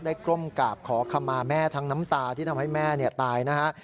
ก้มกราบขอขมาแม่ทั้งน้ำตาที่ทำให้แม่ตายนะฮะ